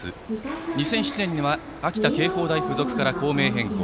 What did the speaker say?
２００７年には秋田経法大付属から校名を変更。